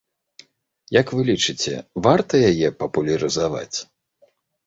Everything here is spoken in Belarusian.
Як вы лічыце, варта яе папулярызаваць?